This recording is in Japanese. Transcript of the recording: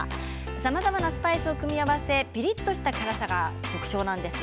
さまざまなスパイスを組み合わせてピリっとした辛さが特徴です。